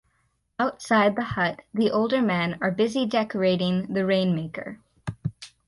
Outside the hut, the older men are busy decorating the rainmaker.